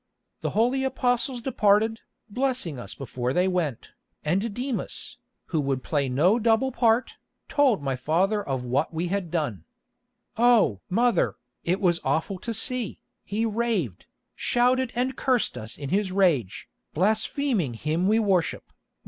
The holy Apostles departed, blessing us before they went, and Demas, who would play no double part, told my father of what we had done. Oh! mother, it was awful to see. He raved, shouted and cursed us in his rage, blaspheming Him we worship.